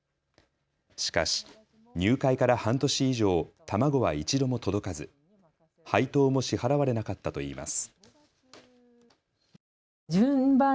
しかし入会から半年以上、卵は１度も届かず配当も支払われなかったといいます。